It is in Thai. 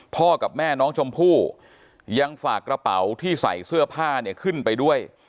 พ่อกับแม่น้องชมพู่ยังฝากกระเป๋าที่ใส่เสื้อผ้าเนี่ยขึ้นไปด้วย